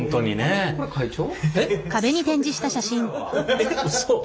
えっうそ？